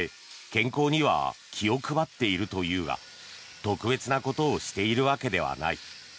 健康には気を配っているというが特別なことをしているわけではない。